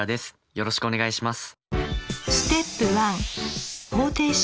よろしくお願いします。